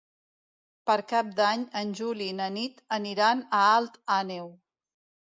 Per Cap d'Any en Juli i na Nit aniran a Alt Àneu.